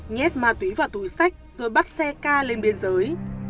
nhét ma túy vào túi sách rồi bắt xe ca lên biên giới